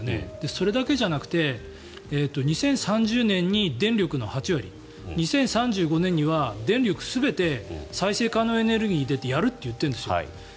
それだけじゃなくて２０３０年に電力の８割２０３５年には電力全て再生可能エネルギーでやるって言ってるんです。